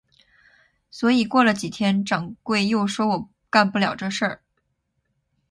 所以过了几天，掌柜又说我干不了这事。